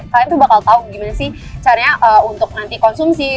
kalian tuh bakal tahu gimana sih caranya untuk nanti konsumsi